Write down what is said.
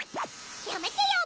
やめてよ